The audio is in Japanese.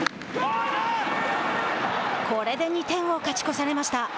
これで２点を勝ち越されました。